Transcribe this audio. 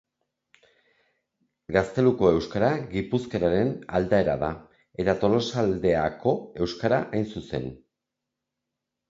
Gazteluko euskara gipuzkeraren aldaera da, eta Tolosaldeako euskara hain zuzen.